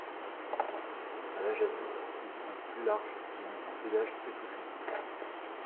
À l'âge adulte ils sont plus larges et ont un feuillage plus touffu.